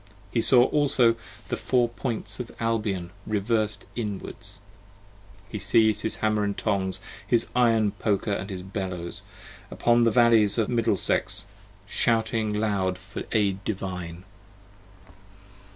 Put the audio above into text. He saw also the Four Points of Albion revers'd inwards: He siez'd his Hammer & Tongs, his iron Poker & his Bellows, Upon the valleys of Middlesex, Shouting loud for aid Divine.